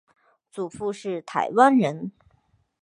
祖父是台湾人。